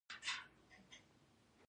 دا په داسې حال کې ده چې تازه